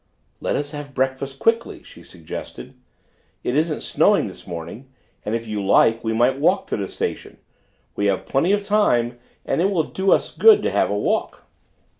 "Let us have breakfast quickly," she suggested; "it isn't snowing this morning, and if you like we might walk to the station. We have plenty of time, and it will do us good to have a walk."